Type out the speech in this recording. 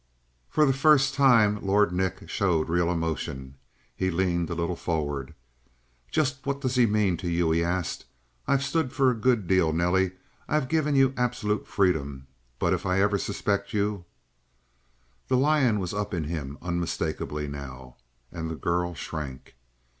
For the first time Lord Nick showed real emotion; he leaned a little forward. "Just what does he mean to you?" he asked. "I've stood for a good deal, Nelly; I've given you absolute freedom, but if I ever suspect you " The lion was up in him unmistakably now. And the girl shrank.